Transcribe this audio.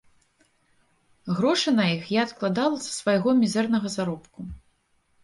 Грошы на іх я адкладала са свайго мізэрнага заробку.